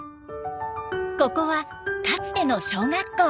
ここはかつての小学校。